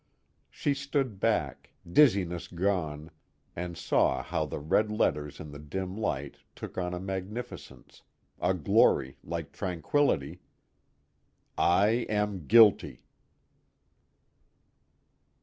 She stood back, dizziness gone, and saw how the red letters in the dim light took on a magnificence, a glory like tranquillity: I AM GUILTY.